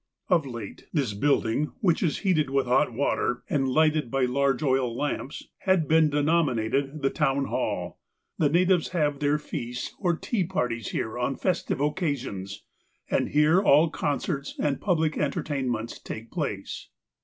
Of late, this building, which is heated with hot water, 315 316 THE APOSTLE OF ALASKA and lighted by large oil lamps, has been denominated the ''Town Hall." The natives have their feasts or tea parties here on festive occasions, and here all concerts and public entertainments take jjlace.